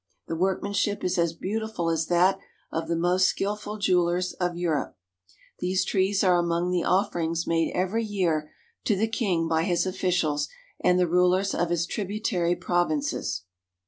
The workmanship is as beautiful as that of the most skillful jewelers of Europe. These trees are among the offerings made every year to the king by his officials and the rulers of his tribu tary provinces.